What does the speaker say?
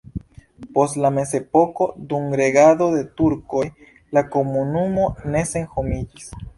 Post la mezepoko dum regado de turkoj la komunumo ne senhomiĝis.